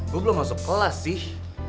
gue belum masuk kelas sih